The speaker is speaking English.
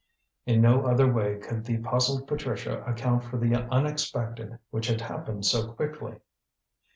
In no other way could the puzzled Patricia account for the unexpected which had happened so quickly.